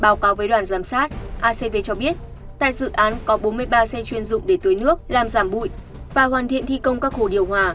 báo cáo với đoàn giám sát acv cho biết tại dự án có bốn mươi ba xe chuyên dụng để tưới nước làm giảm bụi và hoàn thiện thi công các hồ điều hòa